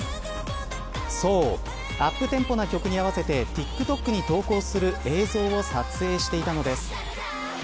アップテンポな曲に合わせてＴｉｋＴｏｋに投稿する映像を撮影していたのです。